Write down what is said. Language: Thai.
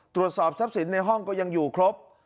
ตรวจสอบทรัพย์สินในห้องก็ยังอยู่ครบ